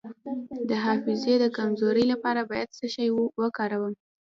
د حافظې د کمزوری لپاره باید څه شی وکاروم؟